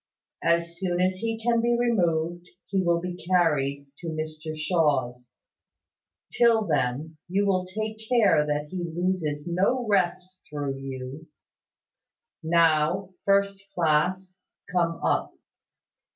As soon as he can be removed, he will be carried to Mr Shaw's. Till then, you will take care that he loses no rest through you, Now, first class, come up."